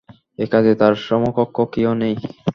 এই কাজে তার সমকক্ষ কেউ নেই।